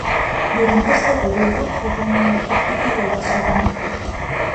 Durante este periodo fue común la práctica de la exogamia.